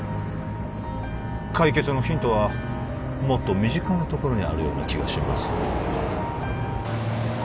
解決のヒントはもっと身近なところにあるような気がします